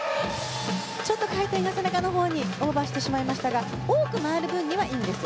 ちょっと回転が背中のほうにオーバーしてしまいましたが多く回る分にはいいんです。